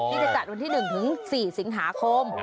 ที่จะจัดวันที่๑๔สิงหาคม